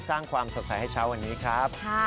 สร้างความสดใสให้เช้าวันนี้ครับ